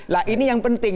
nah ini yang penting